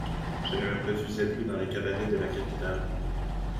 Je ne me produisais plus dans les cabarets de la capitale.